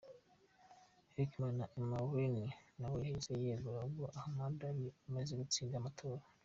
Hicham El Amrani nawe yahise yegura ubwo Ahmad yari amaze gutsinda amatora.